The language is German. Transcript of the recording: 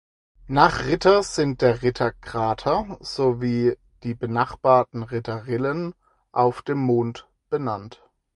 Nach Ritter sind der Ritter-Krater sowie die benachbarten Ritter-Rillen auf dem Mond benannt.